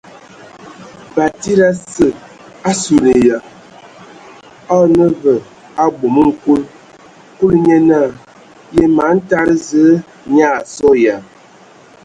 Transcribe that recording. Batsidi ase a suan ya, a o nə vǝ o bomoŋ nkul. Kulu nye naa: Yǝ man tada Zǝə nyaa a sɔ ya ?.